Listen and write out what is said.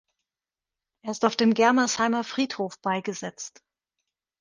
Er ist auf dem Germersheimer Friedhof beigesetzt.